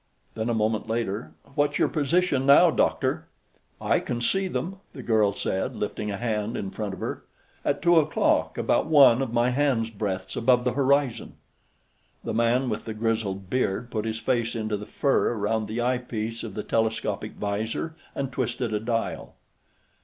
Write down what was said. Then, a moment later "What's your position, now, doctor?" "I can see them," the girl said, lifting a hand in front of her. "At two o'clock, about one of my hand's breadths above the horizon." The man with the grizzled beard put his face into the fur around the eyepiece of the telescopic 'visor and twisted a dial.